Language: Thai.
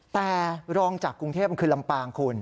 แต่รองจากกรุงเทพคือลำปางคุณ